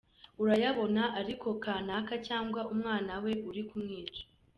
Urayabona ariko kanaka cyangwa umwana we uri kumwica.